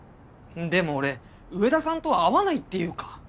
でも俺上田さんとは合わないっていうか。